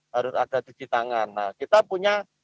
harus ada cuci tangan nah kita punya